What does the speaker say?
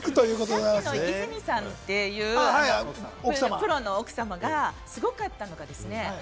さっきの和泉さんというプロの奥様がすごかったですね。